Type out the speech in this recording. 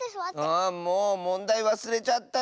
あもうもんだいわすれちゃったよ。